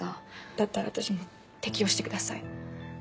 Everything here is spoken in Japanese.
だったら私も適用してください。